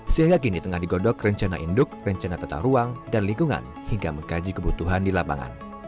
sehingga kini tengah digodok rencana induk rencana tata ruang dan lingkungan hingga mengkaji kebutuhan di lapangan